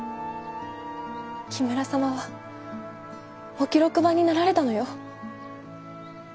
木村様は御記録番になられたのよ。